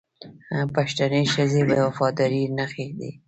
پښتنې ښځې د وفادارۍ نښې دي